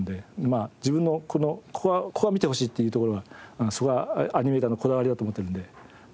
まあ自分のここは見てほしいっていうところがそこがアニメーターのこだわりだと思ってるんで。